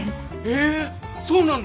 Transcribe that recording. えそうなんだ！